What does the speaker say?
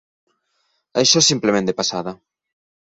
Això és simplement de passada.